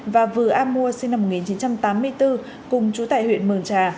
và vừa a mua sinh năm một nghìn chín trăm tám mươi bốn cùng chú tại huyện mường trà